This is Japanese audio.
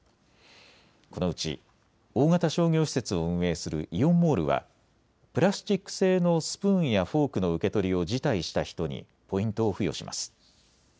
このうち大型商業施設を運営するイオンモールはプラスチック製のスプーンやフォークの受け取りを辞退した人にポイントを付与します。